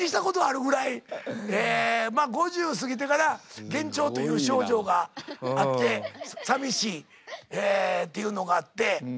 えまっ５０過ぎてから幻聴という症状があってさみしいっていうのがあって。